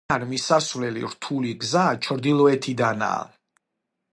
ძეგლთან მისასვლელი რთული გზა, ჩრდილოეთიდანაა.